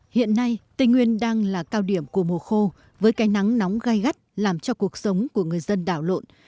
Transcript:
hiện nay tây nguyên đang là cao điểm của mùa khô với cái nắng nóng gai gắt làm cho cuộc sống của người dân đảo lộn